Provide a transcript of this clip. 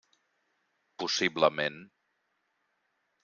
Possiblement.